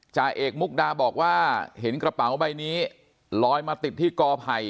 จ่าเอกมุกดาบอกว่าเห็นกระเป๋าใบนี้ลอยมาติดที่กอไผ่